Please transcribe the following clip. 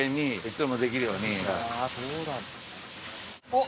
おっ！